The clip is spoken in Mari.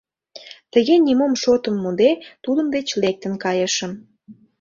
Тыге нимо шотым муде, тудын деч лектын кайышым.